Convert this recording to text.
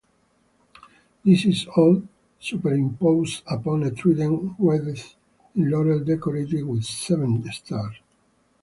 This is all superimposed upon a trident wreathed in laurel decorated with seven stars.